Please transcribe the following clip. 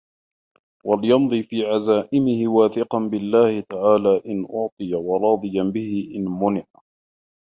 وَلْيَمْضِ فِي عَزَائِمِهِ وَاثِقًا بِاَللَّهِ تَعَالَى إنْ أُعْطِيَ وَرَاضِيًا بِهِ إنْ مُنِعَ